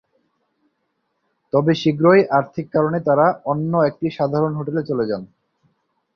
তবে শীঘ্রই আর্থিক কারণে তাঁরা অন্য একটি সাধারণ হোটেলে চলে যান।